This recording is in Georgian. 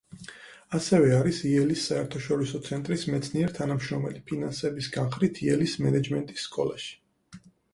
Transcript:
ასევე არის იელის საერთაშორისო ცენტრის მეცნიერ-თანამშრომელი ფინანსების განხრით იელის მენეჯმენტის სკოლაში.